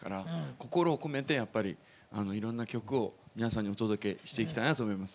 心を込めていろんな曲を皆さんにお届けしていきたいなと思います。